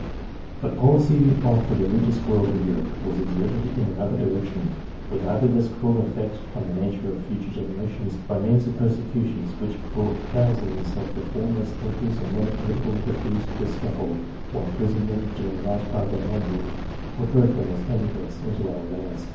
The policy of the religious world in Europe was exerted in another direction, with hardly less cruel effect on the nature of future generations, by means of persecutions which brought thousands of the foremost thinkers and men of political aptitudes to the scaffold, or imprisoned them during a large part of their manhood, or drove them as emigrants into other lands.